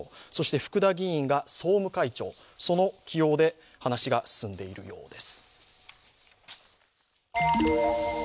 福田議員が総務会長、その起用で話が進んでいるようです。